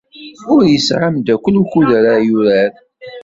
Ur yesɛi ameddakel wukud ara yurar.